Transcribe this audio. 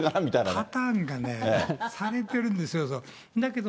パターンがされてるんですけど。